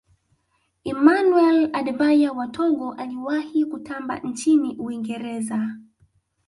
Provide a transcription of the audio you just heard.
emmanuel adebayor wa togo aliwahi kutamba nchini uingereza